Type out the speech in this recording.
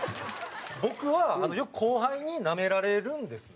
僕はよく後輩になめられるんですよね。